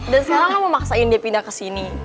dan sekarang nggak mau maksain dia pindah ke sini